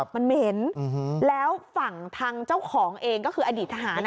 มันเหม็นแล้วฝั่งทางเจ้าของเองก็คืออดีตทหาร